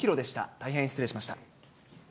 大変失礼しました。